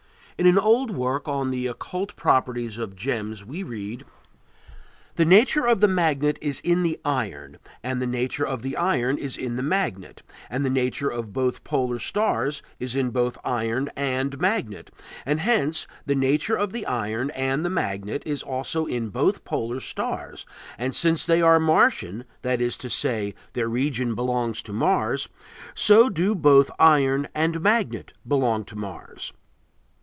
In an old work on the occult properties of gems we read: The nature of the magnet is in the iron, and the nature of the iron is in the magnet, and the nature of both polar stars is in both iron and magnet, and hence the nature of the iron and the magnet is also in both polar stars, and since they are Martian, that is to say, their region belongs to Mars, so do both iron and magnet belong to Mars.